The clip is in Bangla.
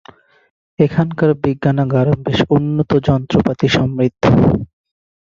এখানকার বিজ্ঞানাগার বেশ উন্নত যন্ত্রপাতি সমৃদ্ধ।